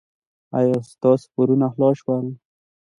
ایا ستاسو پورونه خلاص شول؟